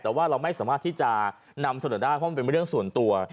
แต่ว่าเราไม่สามารถที่จะนำเสนอได้เพราะมันเป็นเรื่องส่วนตัว